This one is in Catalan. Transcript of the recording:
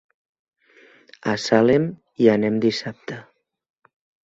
A Salem hi anem dissabte.